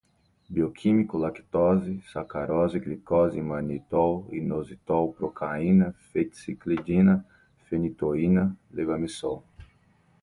bioquímico, lactose, sacarose, glicose, manitol, inositol, procaína, fenciclidina, fenitoína, levamisol